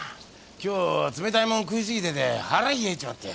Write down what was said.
今日冷たいもん食いすぎてて腹冷えちまって。